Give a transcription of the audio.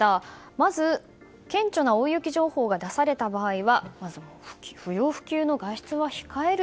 まず顕著な大雪情報が出された場合は不要不急の外出は控える。